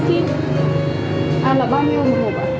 cái này là bao nhiêu một hộp ạ